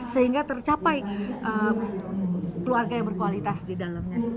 sehingga tercapai keluarga yang berkualitas di dalamnya